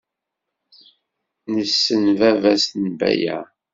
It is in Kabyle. Nessen baba-s n Baya.